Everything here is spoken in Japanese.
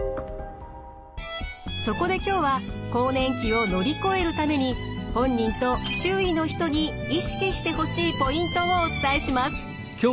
そこで今日は更年期を乗り越えるために本人と周囲の人に意識してほしいポイントをお伝えします。